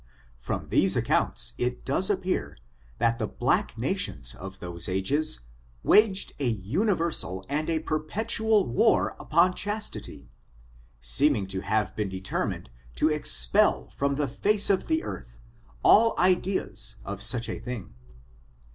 From these accounts it does appear, that the black nations of those ages, waged a universal and a per petual war upon chastity, seeming to have been de termined to expel from the face of the earth, all ideas of such a thing.